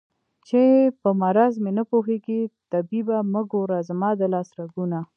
چې په مرض مې نه پوهېږې طبيبه مه ګوره زما د لاس رګونه